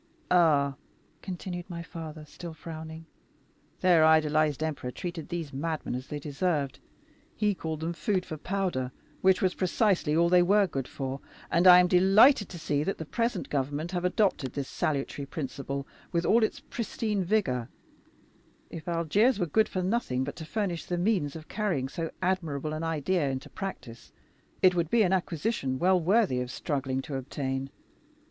"'Ah,' continued my father, still frowning, 'their idolized emperor treated these madmen as they deserved; he called them 'food for cannon,' which was precisely all they were good for; and I am delighted to see that the present government have adopted this salutary principle with all its pristine vigor; if Algiers were good for nothing but to furnish the means of carrying so admirable an idea into practice, it would be an acquisition well worthy of struggling to obtain.